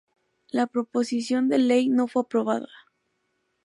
La proposición de ley no fue aprobada.